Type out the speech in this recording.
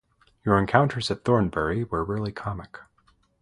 Your encounters at Thornbury were really comic.